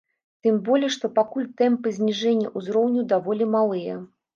Тым болей, што пакуль тэмпы зніжэння ўзроўню даволі малыя.